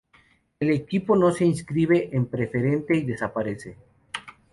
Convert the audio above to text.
El equipo no se inscribe en Preferente y desaparece.